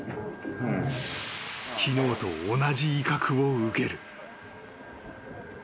［昨日と同じ威嚇を受ける］